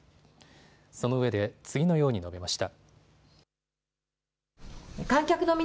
そのうえで次のように述べました。